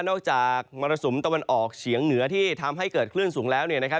จากมรสุมตะวันออกเฉียงเหนือที่ทำให้เกิดคลื่นสูงแล้วเนี่ยนะครับ